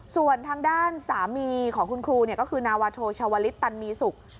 ส่วนทางด้านสามีของคุณครูก็คือนาวาโทชาวลิศตันมีสุข